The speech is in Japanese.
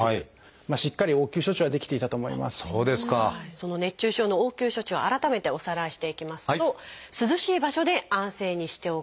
その熱中症の応急処置を改めておさらいしていきますと涼しい場所で安静にしておく。